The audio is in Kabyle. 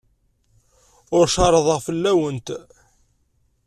Ur cerrḍeɣ fell-awent.